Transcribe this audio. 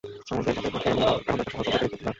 আমাদের জাতের পক্ষে এখন দরকার সাহস ও বৈজ্ঞানিক প্রতিভা।